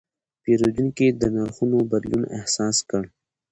پیرودونکی د نرخونو بدلون احساس کړ.